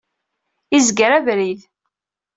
Izger abrid.